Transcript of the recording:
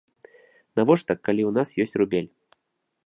Навошта, калі ў нас ёсць рубель?